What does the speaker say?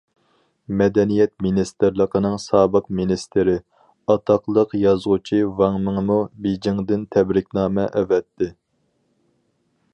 مەدەنىيەت مىنىستىرلىقىنىڭ سابىق مىنىستىرى، ئاتاقلىق يازغۇچى ۋاڭ مىڭمۇ بېيجىڭدىن تەبرىكنامە ئەۋەتتى.